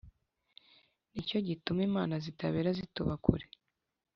Ni cyo gituma imanza zitabera zituba kure